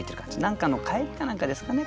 何かの帰りか何かですかね